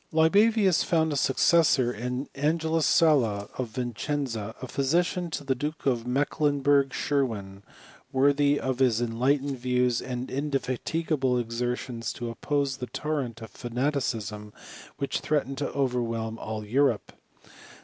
Libavius found a successor in Angelus Sala, of Vicenza, physician to the Duke of Mecklenburg Schwerin, worthy of his enlightened views and inde fatigable exertions to oppose the torrent of fanaticism which threatened to overwhelm all Europe.